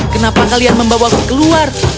kenapa kalian membawaku keluar